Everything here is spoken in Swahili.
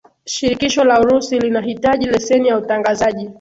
shirikisho la urusi linahitaji leseni ya utangazaji